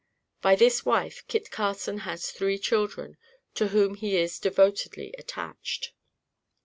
By this wife Kit Carson has three children, to whom he is devotedly attached.